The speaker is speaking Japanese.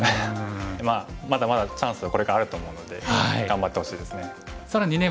まあまだまだチャンスはこれからあると思うので頑張ってほしいですね。